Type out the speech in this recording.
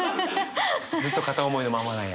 ずっと片思いのままなんや。